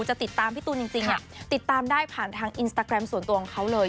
จะติดตามพี่ตูนจริงเนี่ยติดตามได้ผ่านทางอินสตาแกรมส่วนตัวของเขาเลย